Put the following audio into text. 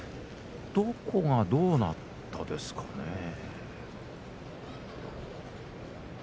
どこが、どうなったんですかね。